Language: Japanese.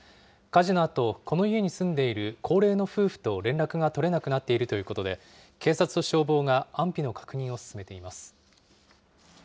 火事のあと、この家に住んでいる高齢の夫婦と連絡が取れなくなっているということで、警察と消防が安否の確認を進めています。